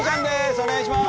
お願いします！